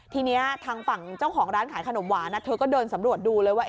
ทีนี้ทางฝั่งเจ้าของร้านขายขนมหวานเธอก็เดินสำรวจดูเลยว่า